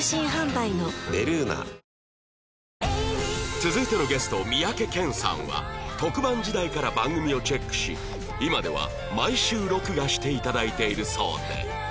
続いてのゲスト三宅健さんは特番時代から番組をチェックし今では毎週録画して頂いているそうで